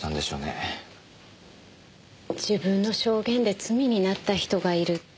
自分の証言で罪になった人がいる。